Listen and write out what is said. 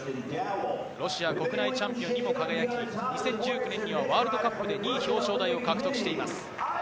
ロシア国内チャンピオンに輝き、２０１９年ワールドカップで２位の表彰台を獲得しています。